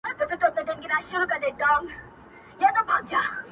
ښاا ځې نو~